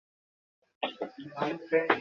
যতই অগ্রসর হইবেন, ততই বৃহত্তররূপে দেখিতে থাকিবেন।